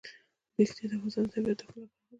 پکتیا د افغانستان د طبیعت د ښکلا برخه ده.